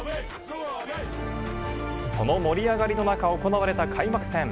その盛り上がりの中、行われた開幕戦。